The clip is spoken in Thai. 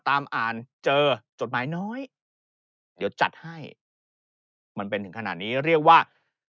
ตามอ่านเจอจดหมายน้อยเดี๋ยวจัดให้มันเป็นถึงขนาดนี้เรียกว่า